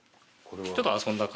ちょっと遊んだ感じで。